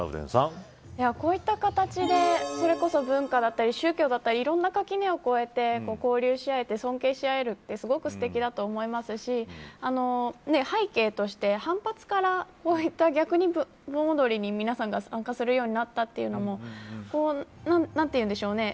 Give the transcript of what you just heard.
こういった形でそれこそ文化だったり宗教だったりいろんな垣根を越えて交流しあえて尊敬しあえるってすごくすてきだと思いますし背景として反発からこういった逆に盆踊りに皆さんが参加するようになったというのも何というんでしょうね